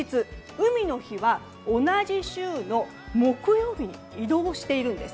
海の日は同じ週の木曜日に移動しているんです。